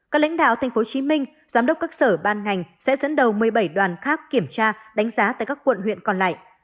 các lãnh đạo tp hcm giám đốc các sở ban ngành sẽ dẫn đầu một mươi bảy đoàn khác kiểm tra đánh giá tại các quận huyện còn lại